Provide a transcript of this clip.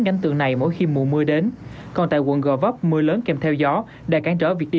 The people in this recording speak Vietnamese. nhanh tường này mỗi khi mùa mưa đến còn tại quận gò vấp mưa lớn kèm theo gió đã cản trở việc đi